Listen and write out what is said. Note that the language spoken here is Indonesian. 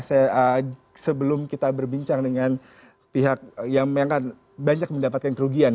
sebelum kita berbincang dengan pihak yang banyak mendapatkan kerugian